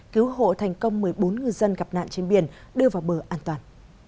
cứu hộ thành công một mươi bốn ngư dân gặp nạn trên biển đưa vào bờ an toàn